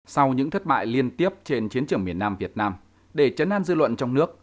sau những thất bại liên tiếp trên chiến trường miền nam việt nam để chấn an dư luận trong nước